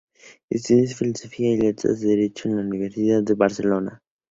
Estudió Filosofía y Letras y Derecho en la Universitat de Barcelona.